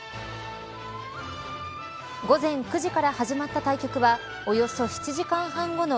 午前９時から始まった対局はおよそ７時間半後の